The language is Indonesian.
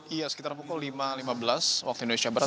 iya sekitar pukul lima lima belas waktu indonesia barat